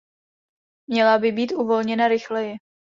Měla by být uvolněna rychleji.